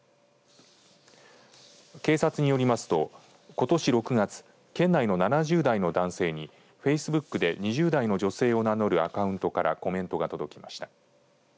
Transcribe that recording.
警察によりますと、ことし６月県内の７０代の男性にＦａｃｅＢｏｏｋで２０代の女性を名乗るアカウントからコメントが届きました。